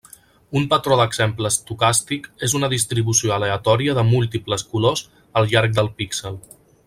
Un patró d'exemple estocàstic és una distribució aleatòria de múltiples colors al llarg del píxel.